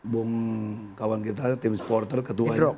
bung kawan kita tim supporter ketuanya